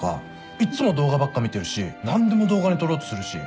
いっつも動画ばっか見てるし何でも動画に撮ろうとするし。